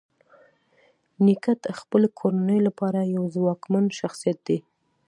نیکه د خپلې کورنۍ لپاره یو ځواکمن شخصیت دی.